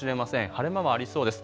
晴れ間はありそうです。